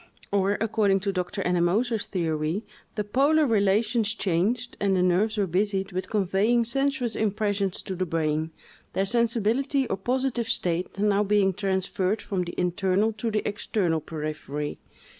Or, according to Dr. Ennemoser's theory, the polar relations changed, and the nerves were busied with conveying sensuous impressions to the brain, their sensibility or positive state now being transferred from the internal to the external periphery.